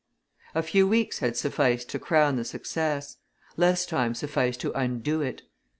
A few weeks had sufficed to crown the success; less time sufficed to undo it.